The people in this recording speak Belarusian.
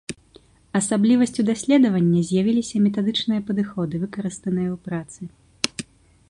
Асаблівасцю даследавання з'явіліся метадычныя падыходы, выкарыстаныя ў працы.